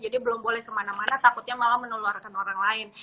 jadi belum boleh kemana mana takutnya malah meneluarkan orang lain